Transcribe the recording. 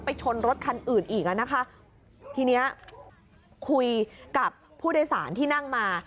ชนรถคันอื่นอีกอ่ะนะคะทีเนี้ยคุยกับผู้โดยสารที่นั่งมา